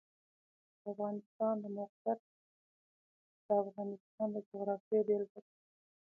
د افغانستان د موقعیت د افغانستان د جغرافیې بېلګه ده.